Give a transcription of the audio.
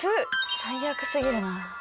最悪すぎるな。